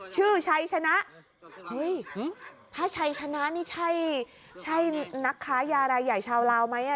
ชื่อชัยชนะเฮ้ยหื้อพระชายชนะนี่ใช่ใช่นักค้ายารายใหญ่ชาวราวไหมอ่ะ